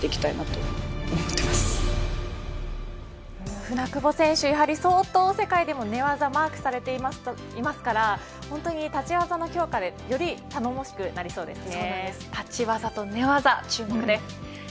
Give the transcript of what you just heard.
舟久保選手、やはり相当世界でも寝技マークされていますから本当に立ち技の強化でより頼もしくなりそうですね。